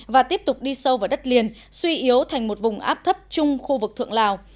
và tiếp tục đi sâu vào đất liền suy yếu thành một vùng áp thấp chung khu vực thượng lào